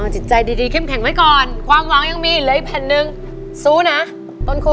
จิตใจดีเข้มแข็งไว้ก่อนความหวังยังมีเหลืออีกแผ่นหนึ่งสู้นะต้นคู่